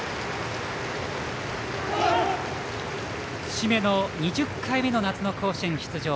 節目の２０回目の夏の甲子園出場。